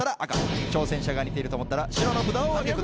挑戦者が似てると思ったら白の札をお挙げください。